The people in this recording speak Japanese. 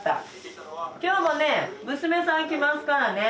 今日もね娘さん来ますからね。